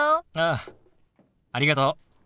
ああありがとう。